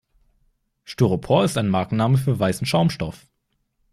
Styropor ist ein Markenname für weißen Schaumstoff.